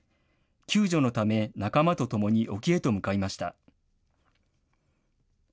救助のため、仲間と共に沖へと向かいました。